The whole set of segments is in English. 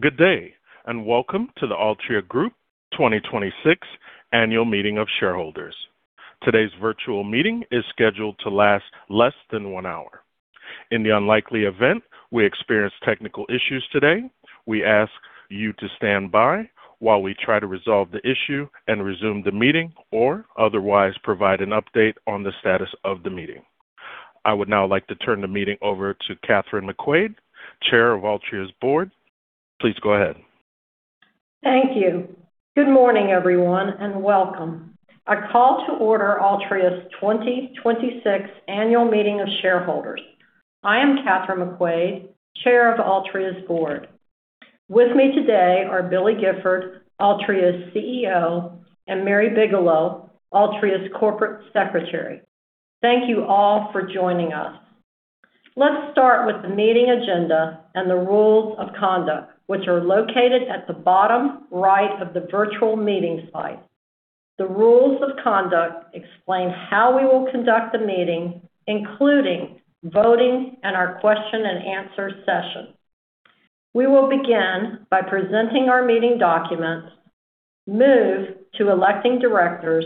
Good day. Welcome to the Altria Group 2026 Annual Meeting of Shareholders. Today's virtual meeting is scheduled to last less than one hour. In the unlikely event we experience technical issues today, we ask you to stand by while we try to resolve the issue and resume the meeting or otherwise provide an update on the status of the meeting. I would now like to turn the meeting over to Kathryn McQuade, Chair of Altria's Board. Please go ahead. Thank you. Good morning, everyone, and welcome. I call to order Altria's 2026 Annual Meeting of Shareholders. I Kathryn McQuade, Chair of Altria's Board. With me today Billy Gifford, Altria's CEO, Mary Bigelow, Altria's Corporate Secretary. Thank you all for joining us. Let's start with the meeting agenda and the rules of conduct, which are located at the bottom right of the virtual meeting site. The rules of conduct explain how we will conduct the meeting, including voting and our question and answer session. We will begin by presenting our meeting documents, move to electing directors,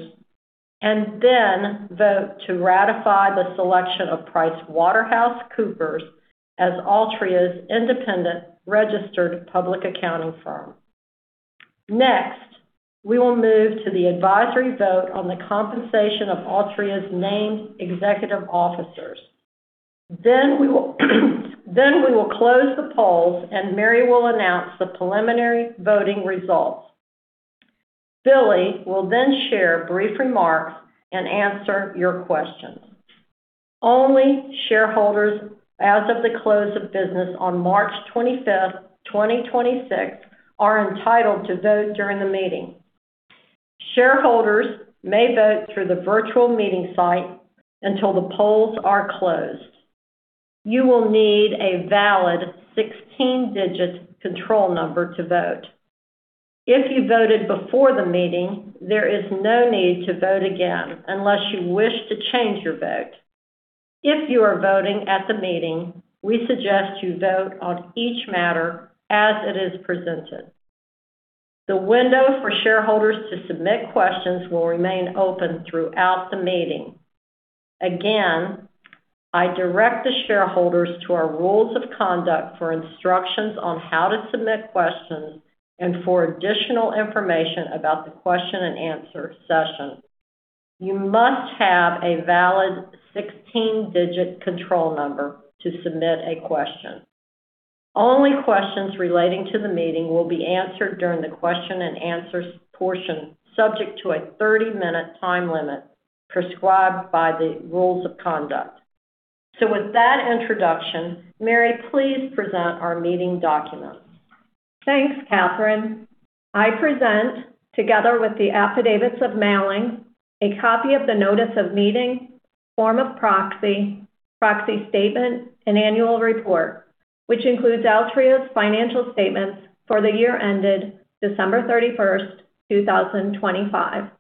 and then vote to ratify the selection of PricewaterhouseCoopers as Altria's independent registered public accounting firm. Next, we will move to the advisory vote on the compensation of Altria's named executive officers. We will close the polls, and Mary Bigelow will announce the preliminary voting results. Billy will share brief remarks and answer your questions. Only shareholders as of the close of business on March 25, 2026 are entitled to vote during the meeting. Shareholders may vote through the virtual meeting site until the polls are closed. You will need a valid 16-digit control number to vote. If you voted before the meeting, there is no need to vote again unless you wish to change your vote. If you are voting at the meeting, we suggest you vote on each matter as it is presented. The window for shareholders to submit questions will remain open throughout the meeting. I direct the shareholders to our rules of conduct for instructions on how to submit questions and for additional information about the question and answer session. You must have a valid 16-digit control number to submit a question. Only questions relating to the meeting will be answered during the question and answer portion, subject to a 30-minute time limit prescribed by the rules of conduct. With that introduction, Mary, please present our meeting documents. Thanks, Kathryn. I present, together with the affidavits of mailing, a copy of the notice of meeting, form of proxy statement, and annual report, which includes Altria's financial statements for the year ended December 31st, 2025.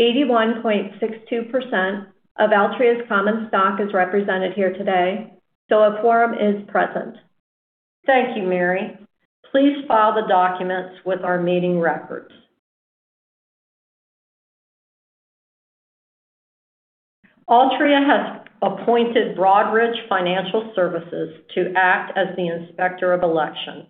81.62% of Altria's common stock is represented here today, so a forum is present. Thank you, Mary Bigelow Please file the documents with our meeting records. Altria has appointed Broadridge Financial Solutions to act as the inspector of election.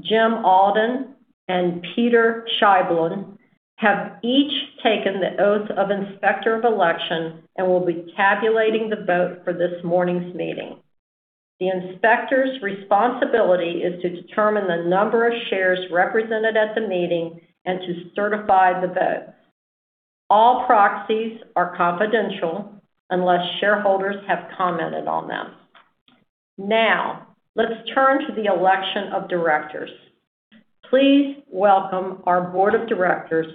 Jim Alden and Peter Schaible have each taken the oath of inspector of election and will be tabulating the vote for this morning's meeting. The inspector's responsibility is to determine the number of shares represented at the meeting and to certify the vote. All proxies are confidential unless shareholders have commented on them. Let's turn to the election of directors. Please welcome our board of directors,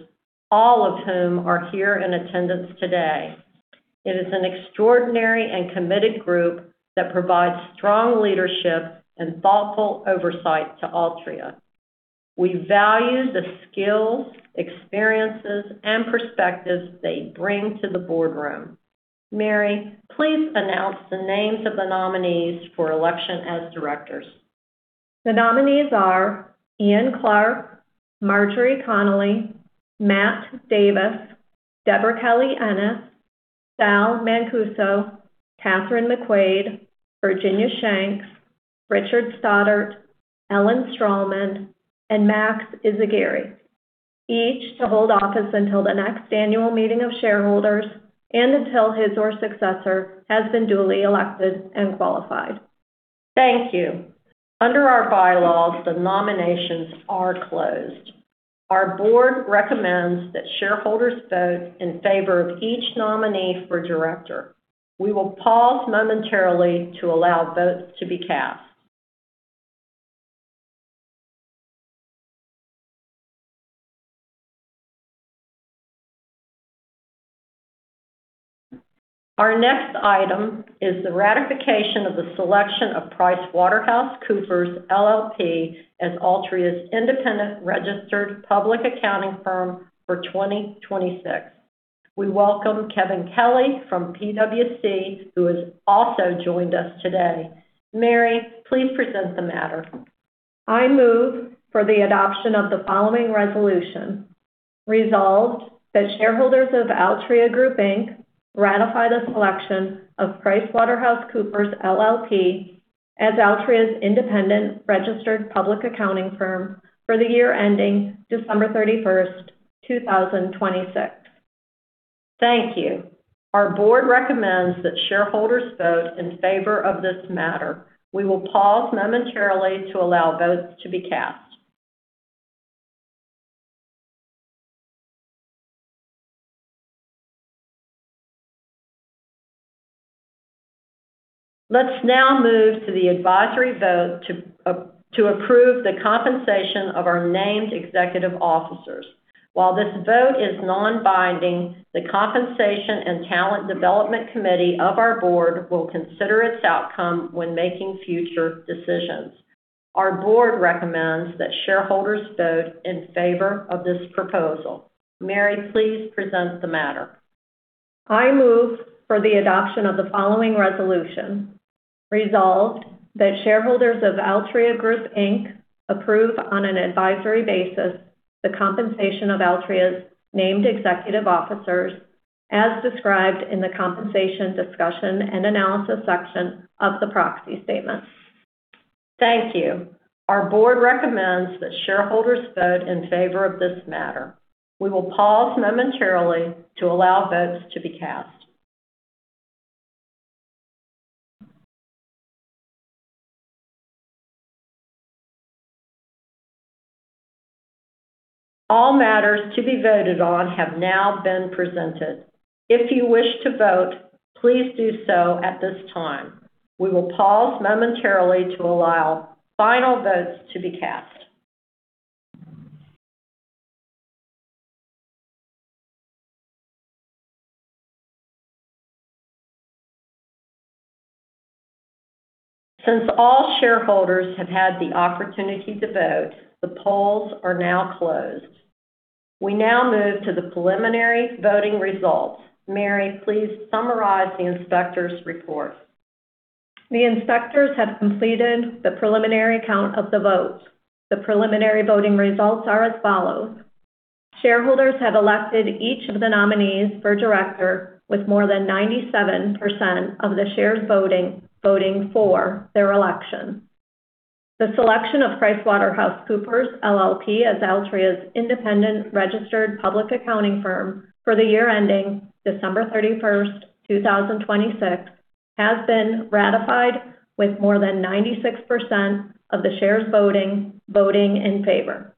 all of whom are here in attendance today. It is an extraordinary and committed group that provides strong leadership and thoughtful oversight to Altria. We value the skills, experiences, and perspectives they bring to the boardroom. Mary, please announce the names of the nominees for election as directors. The nominees are Ian Clarke, Marjorie Connelly, Matt Davis, Debra Kelly, Anna, Sal Mancuso, Kathryn McQuade, Virginia Shanks, Richard Stoddart, Ellen Strahlman, and Max Yzaguirre. Each to hold office until the next annual meeting of shareholders and until his or successor has been duly elected and qualified. Thank you. Under our bylaws, the nominations are closed. Our board recommends that shareholders vote in favor of each nominee for director. We will pause momentarily to allow votes to be cast. Our next item is the ratification of the selection of PricewaterhouseCoopers LLP as Altria's independent registered public accounting firm for 2026. We welcome Kevin Kelly from PwC, who has also joined us today. Mary Bigelow, please present the matter. I move for the adoption of the following resolution. Resolved that shareholders of Altria Group, Inc. ratify the selection of PricewaterhouseCoopers LLP as Altria's independent registered public accounting firm for the year ending December 31st, 2026. Thank you. Our board recommends that shareholders vote in favor of this matter. We will pause momentarily to allow votes to be cast. Let's now move to the advisory vote to approve the compensation of our named executive officers. While this vote is non-binding, the Compensation and Talent Development Committee of our board will consider its outcome when making future decisions. Our board recommends that shareholders vote in favor of this proposal. Mary, please present the matter. I move for the adoption of the following resolution. Resolved that shareholders of Altria Group, Inc. approve on an advisory basis the compensation of Altria's named executive officers as described in the compensation discussion and analysis section of the proxy statement. Thank you. Our board recommends that shareholders vote in favor of this matter. We will pause momentarily to allow votes to be cast. All matters to be voted on have now been presented. If you wish to vote, please do so at this time. We will pause momentarily to allow final votes to be cast. Since all shareholders have had the opportunity to vote, the polls are now closed. We now move to the preliminary voting results. Mary, please summarize the inspector's report. The inspectors have completed the preliminary count of the votes. The preliminary voting results are as follows. Shareholders have elected each of the nominees for director with more than 97% of the shares voting for their election. The selection of PricewaterhouseCoopers LLP as Altria's independent registered public accounting firm for the year ending December 31st, 2026 has been ratified with more than 96% of the shares voting in favor.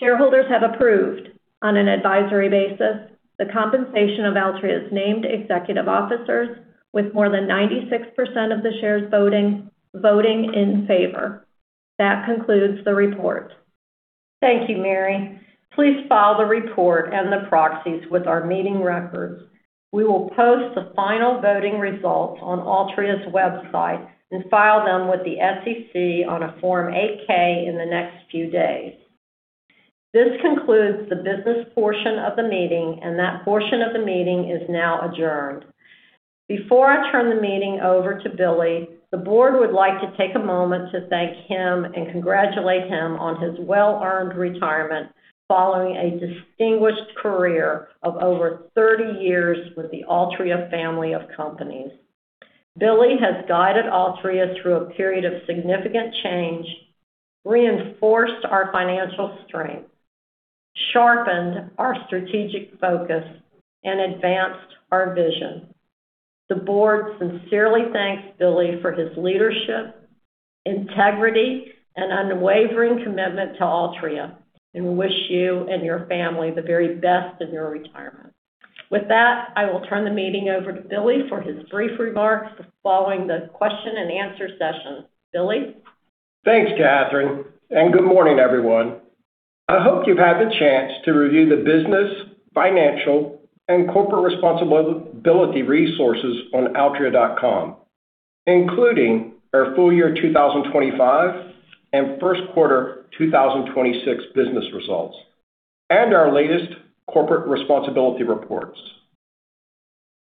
Shareholders have approved on an advisory basis the compensation of Altria's named executive officers with more than 96% of the shares voting in favor. That concludes the report. Thank you, Mary. Please file the report and the proxies with our meeting records. We will post the final voting results on Altria Group's website and file them with the SEC on a Form 8-K in the next few days. This concludes the business portion of the meeting, and that portion of the meeting is now adjourned. Before I turn the meeting over to Billy, the board would like to take a moment to thank him and congratulate him on his well-earned retirement following a distinguished career of over 30 years with the Altria Group family of companies. Billy has guided Altria Group through a period of significant change, reinforced our financial strength, sharpened our strategic focus, and advanced our vision. The board sincerely thanks Billy for his leadership, integrity, and unwavering commitment to Altria Group and wish you and your family the very best in your retirement. With that, I will turn the meeting over to Billy for his brief remarks following the question-and-answer session. Billy? Thanks, Kathryn, good morning, everyone. I hope you've had the chance to review the business, financial, and corporate responsibility resources on altria.com, including our full year 2025 and first quarter 2026 business results and our latest corporate responsibility reports.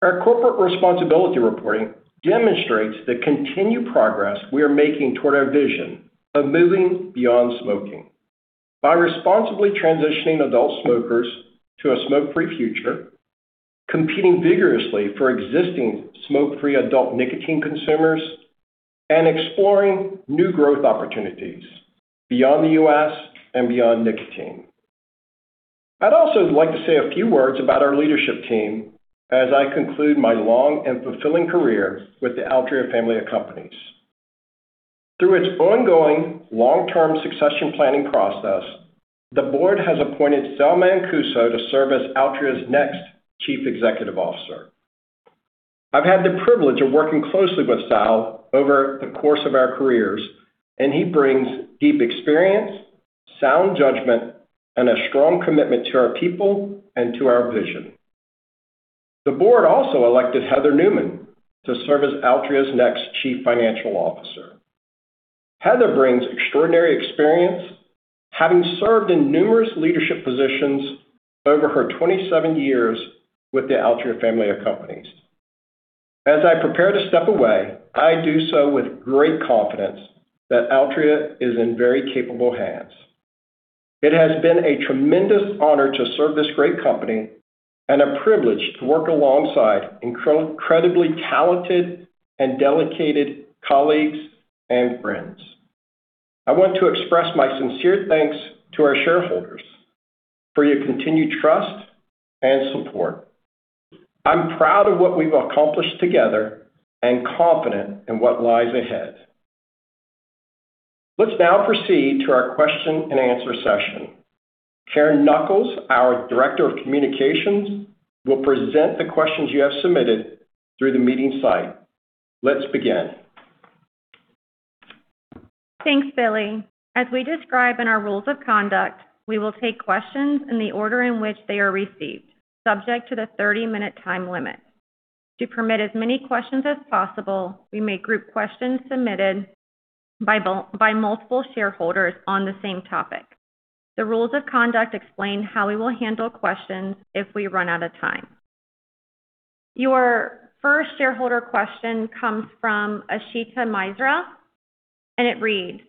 Our corporate responsibility reporting demonstrates the continued progress we are making toward our vision of moving beyond smoking by responsibly transitioning adult smokers to a smoke-free future, competing vigorously for existing smoke-free adult nicotine consumers, and exploring new growth opportunities beyond the U.S. and beyond nicotine. I'd also like to say a few words about our leadership team as I conclude my long and fulfilling career with the Altria family of companies. Through its ongoing long-term succession planning process, the board has appointed Salvatore Mancuso to serve as Altria's next Chief Executive Officer. I've had the privilege of working closely with Sal over the course of our careers, and he brings deep experience, sound judgment, and a strong commitment to our people and to our vision. The board also elected Heather Newman to serve as Altria's next Chief Financial Officer. Heather brings extraordinary experience, having served in numerous leadership positions over her 27 years with the Altria family of companies. As I prepare to step away, I do so with great confidence that Altria is in very capable hands. It has been a tremendous honor to serve this great company and a privilege to work alongside incredibly talented and dedicated colleagues and friends. I want to express my sincere thanks to our shareholders for your continued trust and support. I'm proud of what we've accomplished together and confident in what lies ahead. Let's now proceed to our question-and-answer session. Karen Nuckols, our Director of Communications, will present the questions you have submitted through the meeting site. Let's begin. Thanks, Billy Gifford, As we describe in our rules of conduct, we will take questions in the order in which they are received, subject to the 30-minute time limit. To permit as many questions as possible, we may group questions submitted by multiple shareholders on the same topic. The rules of conduct explain how we will handle questions if we run out of time. Your first shareholder question comes from Ashita Mizra, and it reads,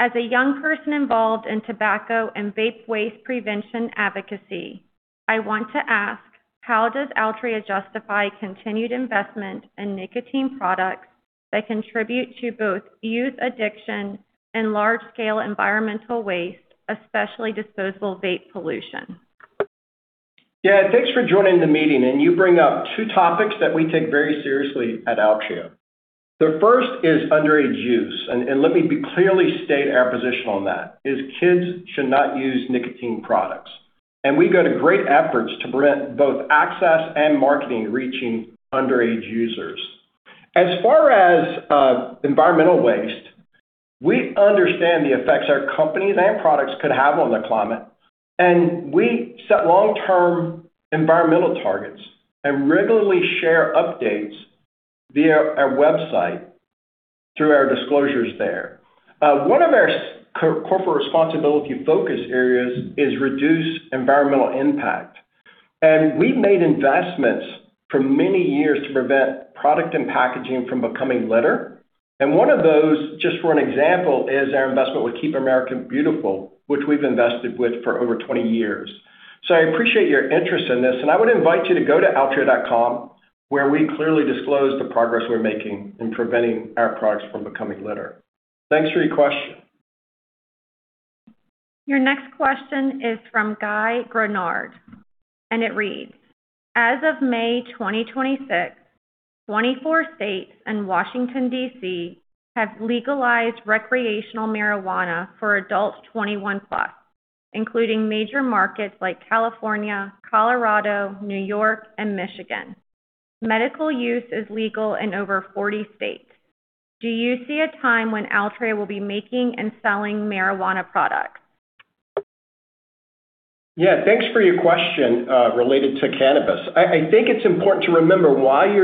"As a young person involved in tobacco and vape waste prevention advocacy, I want to ask, how does Altria justify continued investment in nicotine products that contribute to both youth addiction and large-scale environmental waste, especially disposable vape pollution? Yeah. Thanks for joining the meeting, you bring up two topics that we take very seriously at Altria. The first is underage use, let me clearly state our position on that is kids should not use nicotine products. We go to great efforts to prevent both access and marketing reaching underage users. As far as environmental waste, we understand the effects our companies and products could have on the climate, we set long-term environmental targets and regularly share updates via our website through our disclosures there. One of our corporate responsibility focus areas is reduce environmental impact. We've made investments for many years to prevent product and packaging from becoming litter. One of those, just for an example, is our investment with Keep America Beautiful, which we've invested with for over 20 years. I appreciate your interest in this, and I would invite you to go to altria.com, where we clearly disclose the progress we're making in preventing our products from becoming litter. Thanks for your question. Your next question is from Guy Grenard. It reads: As of May 2026, 24 states and Washington, D.C., have legalized recreational marijuana for adults 21+, including major markets like California, Colorado, New York, and Michigan. Medical use is legal in over 40 states. Do you see a time when Altria will be making and selling marijuana products? Yeah. Thanks for your question related to cannabis. I think it's important to remember, while we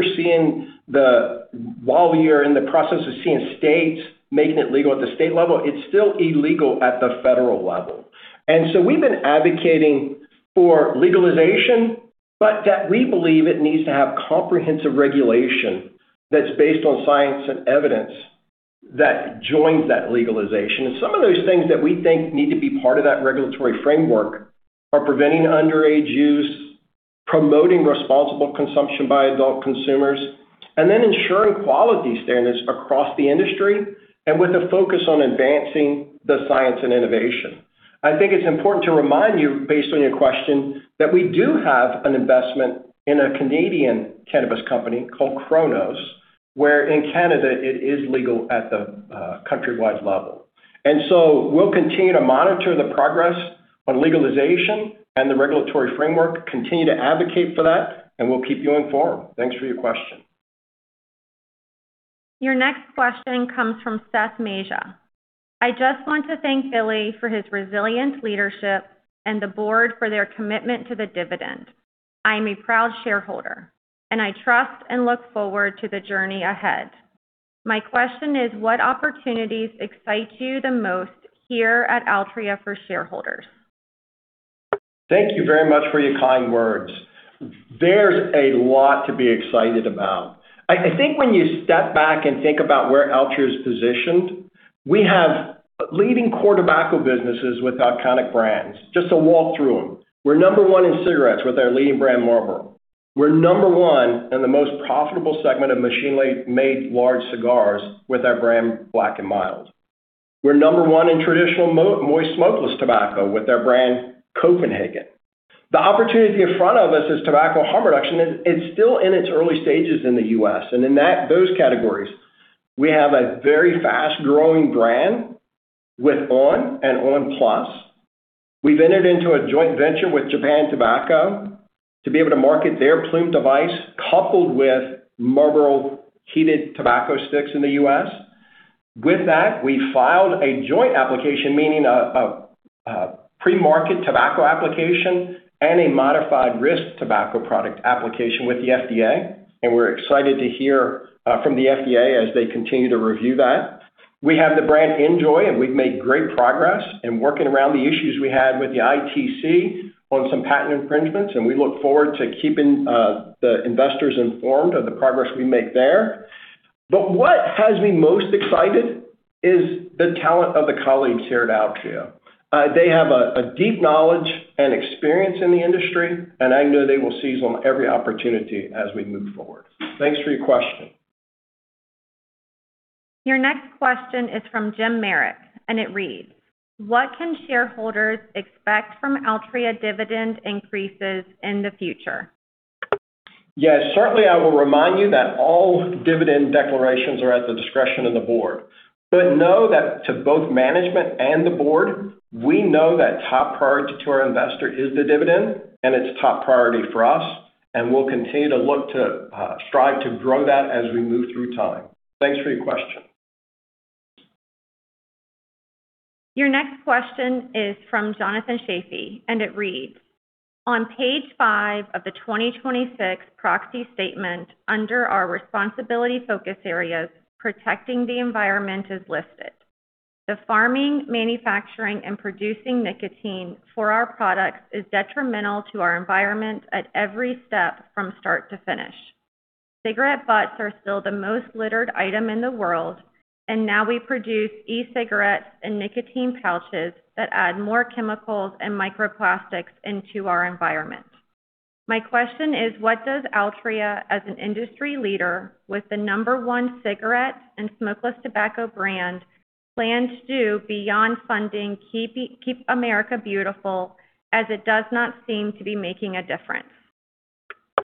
are in the process of seeing states making it legal at the state level, it's still illegal at the federal level. We've been advocating for legalization, but that we believe it needs to have comprehensive regulation that's based on science and evidence that joins that legalization. Some of those things that we think need to be part of that regulatory framework are preventing underage use, promoting responsible consumption by adult consumers, and then ensuring quality standards across the industry and with a focus on advancing the science and innovation. I think it's important to remind you, based on your question, that we do have an investment in a Canadian cannabis company called Cronos, where in Canada it is legal at the countrywide level. We'll continue to monitor the progress on legalization and the regulatory framework, continue to advocate for that, and we'll keep you informed. Thanks for your question. Your next question comes from Seth Masia. I just want to thank Billy for his resilient leadership and the board for their commitment to the dividend. I am a proud shareholder, and I trust and look forward to the journey ahead. My question is, what opportunities excite you the most here at Altria for shareholders? Thank you very much for your kind words. There's a lot to be excited about. I think when you step back and think about where Altria's positioned, we have leading core tobacco businesses with iconic brands. Just to walk through them. We're number one in cigarettes with our leading brand Marlboro. We're number one in the most profitable segment of machine-made large cigars with our brand Black & Mild. We're number one in traditional moist smokeless tobacco with our brand Copenhagen. The opportunity in front of us is tobacco harm reduction, it's still in its early stages in the U.S., and in that, those categories, we have a very fast-growing brand with on! and on! PLUS. We've entered into a joint venture with Japan Tobacco to be able to market their Ploom device coupled with Marlboro heated tobacco sticks in the U.S. With that, we filed a joint application, meaning a pre-market tobacco application and a modified risk tobacco product application with the FDA, and we're excited to hear from the FDA as they continue to review that. We have the brand NJOY, and we've made great progress in working around the issues we had with the ITC on some patent infringements, and we look forward to keeping the investors informed of the progress we make there. What has me most excited is the talent of the colleagues here at Altria. They have a deep knowledge and experience in the industry, and I know they will seize on every opportunity as we move forward. Thanks for your question. Your next question is from Jim Merrick, and it reads: What can shareholders expect from Altria dividend increases in the future? Yes. Certainly, I will remind you that all dividend declarations are at the discretion of the board. Know that to both management and the board, we know that top priority to our investor is the dividend, and it's top priority for us, and we'll continue to look to strive to grow that as we move through time. Thanks for your question. Your next question is from Jonathan Shafee, and it reads: on! page five of the 2026 proxy statement under our responsibility focus areas, protecting the environment is listed. The farming, manufacturing, and producing nicotine for our products is detrimental to our environment at every step from start to finish. Cigarette butts are still the most littered item in the world, and now we produce e-cigarettes and nicotine pouches that add more chemicals and microplastics into our environment. My question is, what does Altria as an industry leader with the number one cigarette and smokeless tobacco brand plan to do beyond funding Keep America Beautiful, as it does not seem to be making a difference?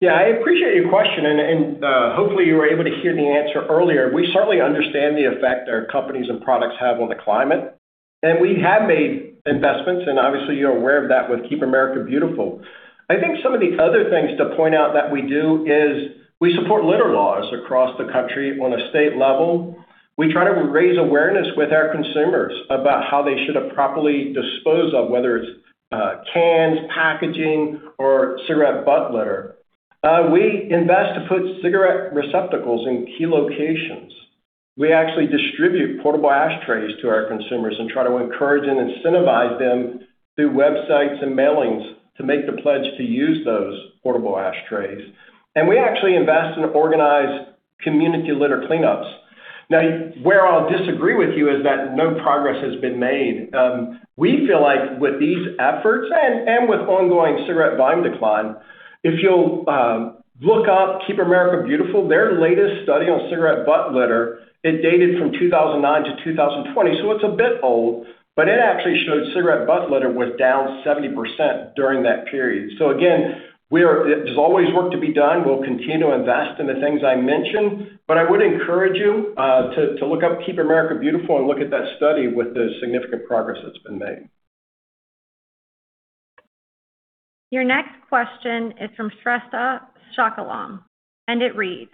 Yeah, I appreciate your question and hopefully you were able to hear the answer earlier. We certainly understand the effect our companies and products have on the climate. We have made investments, and obviously you're aware of that with Keep America Beautiful. I think some of the other things to point out that we do is we support litter laws across the country on a state level. We try to raise awareness with our consumers about how they should properly dispose of, whether it's cans, packaging or cigarette butt litter. We invest to put cigarette receptacles in key locations. We actually distribute portable ashtrays to our consumers and try to encourage and incentivize them through websites and mailings to make the pledge to use those portable ashtrays. We actually invest and organize community litter cleanups. Where I'll disagree with you is that no progress has been made. We feel like with these efforts and with ongoing cigarette volume decline, if you'll look up Keep America Beautiful, their latest study on cigarette butt litter, it dated from 2009 to 2020, so it's a bit old, but it actually showed cigarette butt litter was down 70% during that period. Again, there's always work to be done. We'll continue to invest in the things I mentioned, but I would encourage you to look up Keep America Beautiful and look at that study with the significant progress that's been made. Your next question is from Shresta Shakalam, and it reads: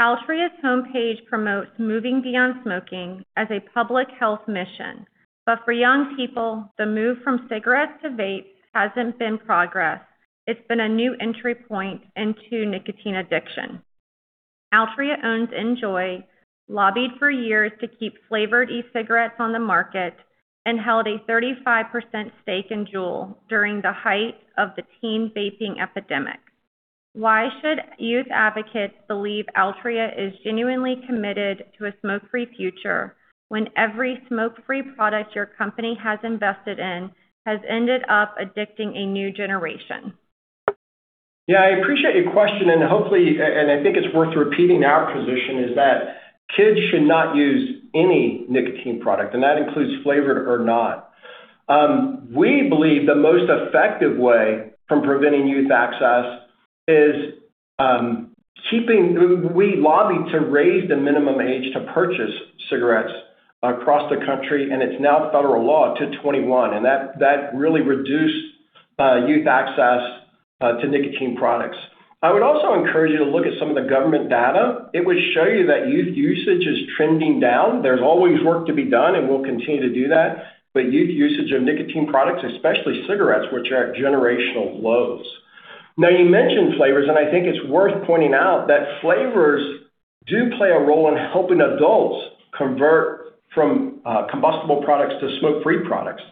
Altria's homepage promotes moving beyond smoking as a public health mission. For young people, the move from cigarettes to vapes hasn't been progress. It's been a new entry point into nicotine addiction. Altria owns NJOY, lobbied for years to keep flavored e-cigarettes on the market and held a 35% stake in JUUL during the height of the teen vaping epidemic. Why should youth advocates believe Altria is genuinely committed to a smoke-free future when every smoke-free product your company has invested in has ended up addicting a new generation? I appreciate your question. Hopefully, I think it's worth repeating our position is that kids should not use any nicotine product. That includes flavored or not. We believe the most effective way from preventing youth access is. We lobbied to raise the minimum age to purchase cigarettes across the country. It's now federal law to 21. That really reduced youth access to nicotine products. I would also encourage you to look at some of the government data. It would show you that youth usage is trending down. There's always work to be done. We'll continue to do that. Youth usage of nicotine products, especially cigarettes, which are at generational lows. Now, you mentioned flavors, and I think it's worth pointing out that flavors do play a role in helping adults convert from combustible products to smoke-free products.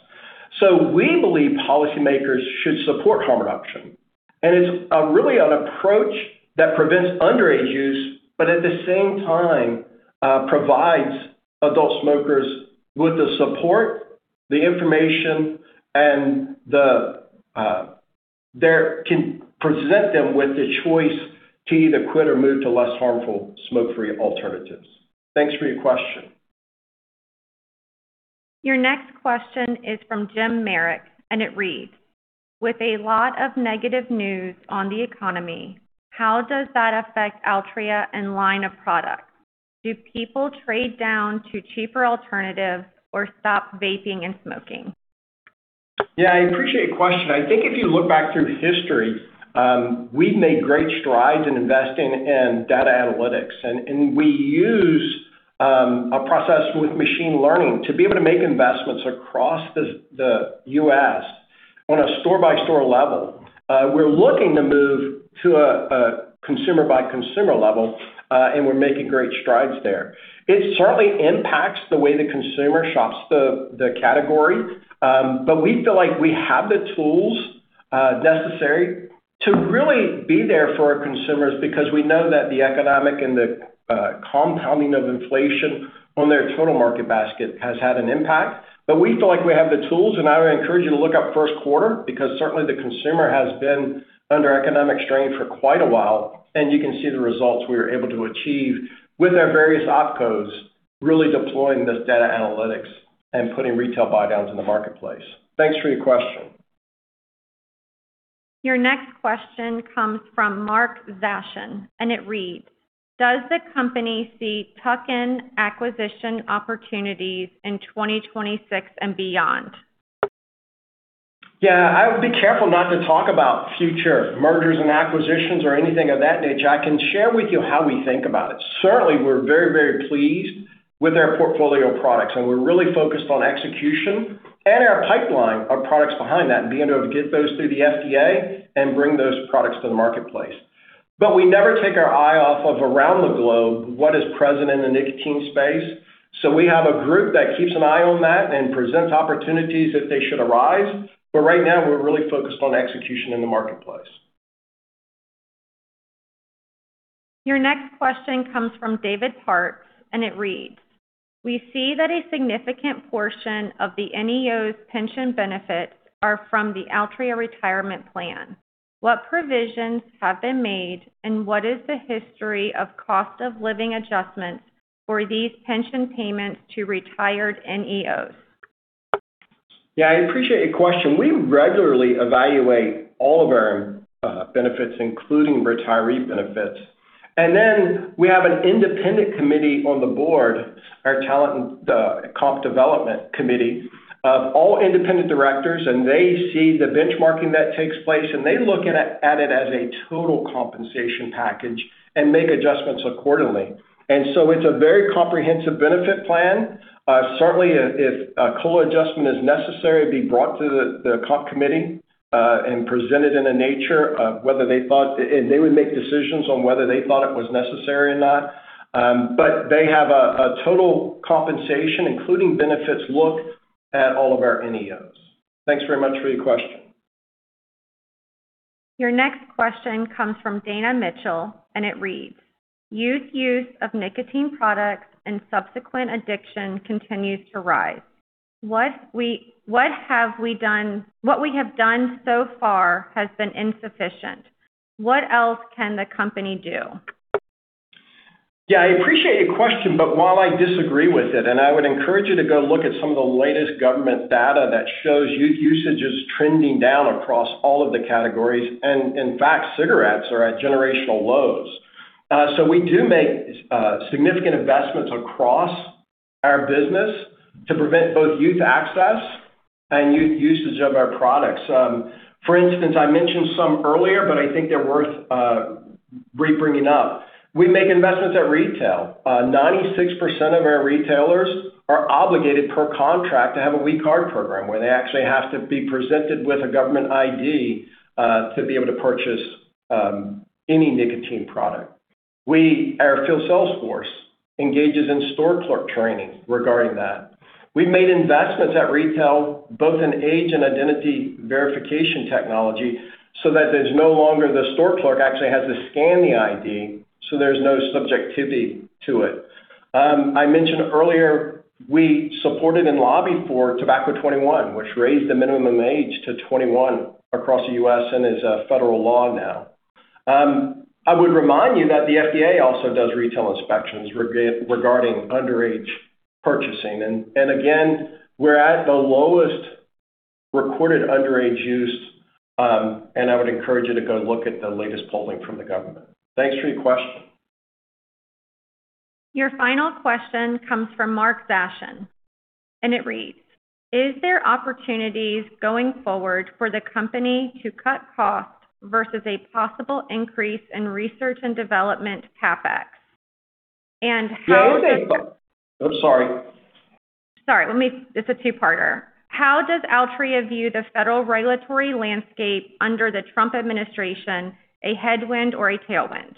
We believe policymakers should support harm reduction. It's really an approach that prevents underage use, but at the same time, provides adult smokers with the support, the information and can present them with the choice to either quit or move to less harmful smoke-free alternatives. Thanks for your question. Your next question is from Jim Merrick and it reads: With a lot of negative news on the economy, how does that affect Altria and line of products? Do people trade down to cheaper alternatives or stop vaping and smoking? Yeah, I appreciate your question. I think if you look back through history, we've made great strides in investing in data analytics. We use a process with machine learning to be able to make investments across the U.S. on a store-by-store level. We're looking to move to a consumer-by-consumer level, we're making great strides there. It certainly impacts the way the consumer shops the category. We feel like we have the tools necessary to really be there for our consumers because we know that the economic and the compounding of inflation on their total market basket has had an impact. We feel like we have the tools, and I would encourage you to look up first quarter because certainly the consumer has been under economic strain for quite a while, and you can see the results we were able to achieve with our various opcos really deploying this data analytics and putting retail buydowns in the marketplace. Thanks for your question. Your next question comes from Mark Zashan, and it reads: Does the company see tuck-in acquisition opportunities in 2026 and beyond? I would be careful not to talk about future mergers and acquisitions or anything of that nature. I can share with you how we think about it. We're very, very pleased with our portfolio of products, and we're really focused on execution and our pipeline of products behind that and being able to get those through the FDA and bring those products to the marketplace. We never take our eye off of around the globe, what is present in the nicotine space. We have a group that keeps an eye on that and presents opportunities if they should arise. Right now, we're really focused on execution in the marketplace. Your next question comes from David Parks, and it reads: We see that a significant portion of the NEO's pension benefits are from the Altria retirement plan. What provisions have been made, and what is the history of cost of living adjustments for these pension payments to retired NEOs? I appreciate your question. We regularly evaluate all of our benefits, including retiree benefits. We have an independent committee on the board, our Talent and Comp Development Committee of all independent directors, they see the benchmarking that takes place, they look at it as a total compensation package and make adjustments accordingly. It's a very comprehensive benefit plan. Certainly if a COLA adjustment is necessary, it'd be brought to the Comp Committee and presented in a nature of whether they thought and they would make decisions on whether they thought it was necessary or not. They have a total compensation, including benefits look at all of our NEOs. Thanks very much for your question. Your next question comes from Dana Mitchell, and it reads: Youth use of nicotine products and subsequent addiction continues to rise. What we have done so far has been insufficient. What else can the company do? I appreciate your question, while I disagree with it, I would encourage you to go look at some of the latest government data that shows youth usage is trending down across all of the categories, and in fact, cigarettes are at generational lows. We do make significant investments across our business to prevent both youth access and youth usage of our products. For instance, I mentioned some earlier, I think they're worth re-bringing up. We make investments at retail. 96% of our retailers are obligated per contract to have a We Card program, where they actually have to be presented with a government ID to be able to purchase any nicotine product. Our field sales force engages in store clerk training regarding that. We've made investments at retail, both in age and identity verification technology, so that the store clerk actually has to scan the ID, so there's no subjectivity to it. I mentioned earlier we supported and lobbied for Tobacco 21, which raised the minimum age to 21 across the U.S. and is a federal law now. I would remind you that the FDA also does retail inspections regarding underage purchasing. Again, we're at the lowest recorded underage use. I would encourage you to go look at the latest polling from the government. Thanks for your question. Your final question comes from Mark Zashan, and it reads: Is there opportunities going forward for the company to cut costs versus a possible increase in research and development CapEx? Yeah. I'm sorry. It's a two-parter. How does Altria view the federal regulatory landscape under the Trump administration, a headwind or a tailwind?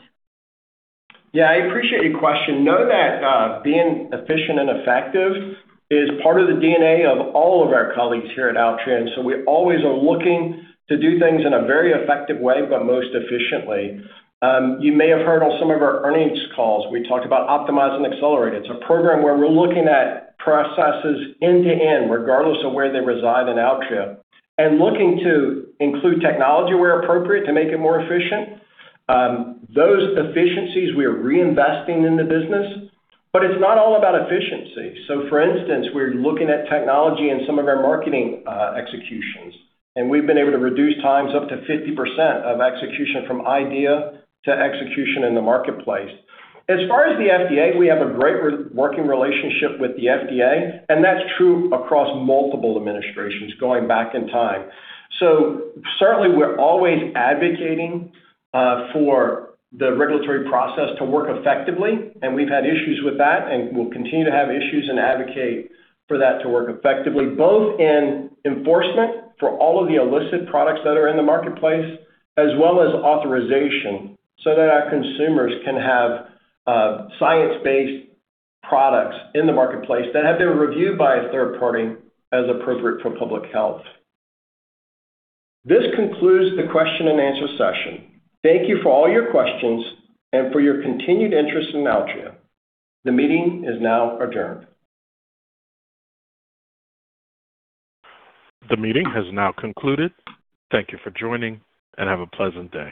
Yeah, I appreciate your question. Know that being efficient and effective is part of the DNA of all of our colleagues here at Altria. We always are looking to do things in a very effective way, but most efficiently. You may have heard on some of our earnings calls, we talked about Optimize and Accelerate. It's a program where we're looking at processes end-to-end, regardless of where they reside in Altria, and looking to include technology where appropriate to make it more efficient. Those efficiencies we are reinvesting in the business. It's not all about efficiency. For instance, we're looking at technology in some of our marketing executions, and we've been able to reduce times up to 50% of execution from idea to execution in the marketplace. As far as the FDA, we have a great working relationship with the FDA, and that's true across multiple administrations going back in time. Certainly, we're always advocating for the regulatory process to work effectively, and we've had issues with that, and we'll continue to have issues and advocate for that to work effectively, both in enforcement for all of the illicit products that are in the marketplace, as well as authorization so that our consumers can have science-based products in the marketplace that have been reviewed by a third party as appropriate for public health. This concludes the question and answer session. Thank you for all your questions and for your continued interest in Altria. The meeting is now adjourned. The meeting has now concluded. Thank you for joining, and have a pleasant day.